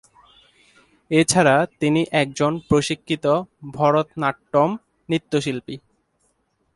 এছাড়া তিনি একজন প্রশিক্ষিত ভরতনাট্যম নৃত্যশিল্পী।